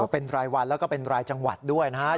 เป็นรายวันแล้วก็เป็นรายจังหวัดด้วยนะครับ